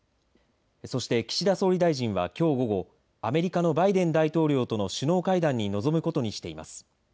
そして岸田総理大臣はきょう午後、アメリカのバイデン大統領との首脳会談に臨むことにしています。